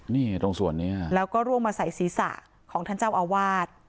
นี่ตรงส่วนนี้แล้วก็ร่วงมาใส่ศีรษะของท่านเจ้าอาวาส